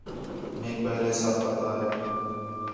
میک پہلے سب پتہ ہے